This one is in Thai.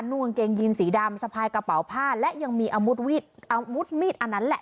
กางเกงยีนสีดำสะพายกระเป๋าผ้าและยังมีอาวุธมีดอาวุธมีดอันนั้นแหละ